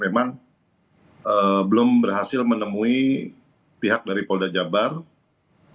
memang belum berhasil menemui pihak dari polda jabar